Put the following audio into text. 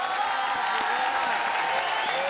すごい。